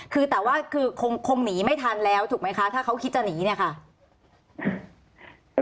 คือแต่ว่าคือคงหนีไม่ทันแล้วถูกไหมคะถ้าเขาคิดจะหนีเนี่ยค่ะ